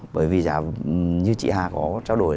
bởi vì giá như chị hà có trao đổi